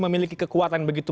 memiliki kekuatan begitu